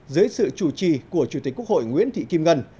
dưới sự chủ trì của chủ tịch quốc hội nguyễn thị kim ngân